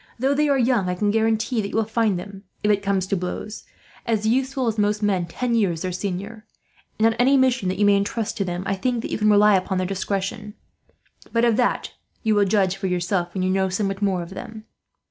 Though they are young I can guarantee that you will find them, if it comes to blows, as useful as most men ten years their senior; and on any mission that you may intrust to them, I think that you can rely upon their discretion; but of that you will judge for yourself, when you know somewhat more of them.